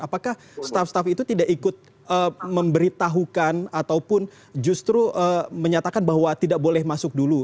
apakah staff staff itu tidak ikut memberitahukan ataupun justru menyatakan bahwa tidak boleh masuk dulu